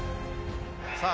さあ